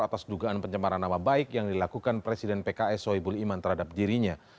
atas dugaan pencemaran nama baik yang dilakukan presiden pks soebul iman terhadap dirinya